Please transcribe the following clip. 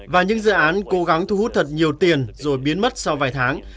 và những dự án cố gắng thu hút thật nhiều tiền rồi biến mất sau vài tháng